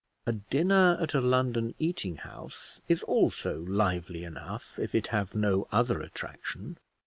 A dinner at a London eating house is also lively enough, if it have no other attraction.